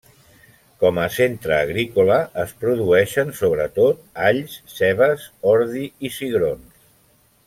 Com a centre agrícola es produeixen sobretot alls, cebes, ordi i cigrons.